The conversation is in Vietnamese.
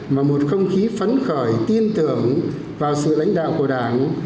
mà một không khí phấn khởi tin tưởng vào sự lãnh đạo của đảng